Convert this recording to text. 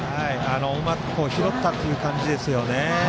うまく拾ったという感じですよね。